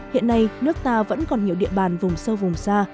hiện nay nước ta vẫn còn nhiều địa bàn vùng sâu vùng xa